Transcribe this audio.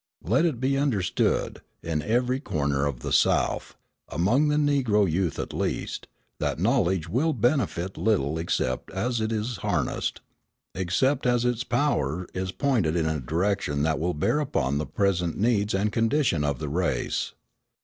Let it be understood, in every corner of the South, among the Negro youth at least, that knowledge will benefit little except as it is harnessed, except as its power is pointed in a direction that will bear upon the present needs and condition of the race.